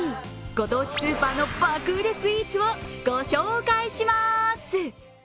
ご当地スーパーの爆売れスイーツをご紹介します。